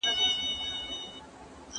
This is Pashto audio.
¬ که هوس دئ، نو دي بس دئ.